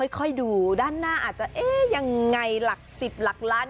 ค่อยดูด้านหน้าอาจจะเอ๊ะยังไงหลัก๑๐หลักล้าน